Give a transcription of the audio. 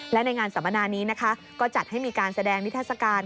และในงานสัมมนานี้นะคะก็จัดให้มีการแสดงนิทัศกาล